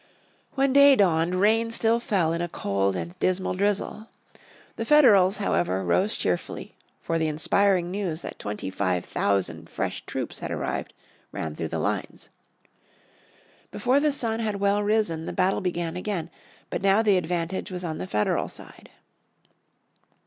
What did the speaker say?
When day dawned rain still fell in a cold and dismal drizzle. The Federals, however, rose cheerfully, for the inspiriting news that twenty five thousand fresh troops had arrived ran through the lines. Before the sun had well risen the battle began again, but now the advantage was on the Federal side.